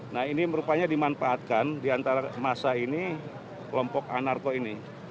nah ini merupanya dimanfaatkan di antara masa ini kelompok anarko ini